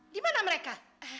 di mana mereka